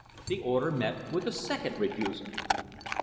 The order met with a second refusal.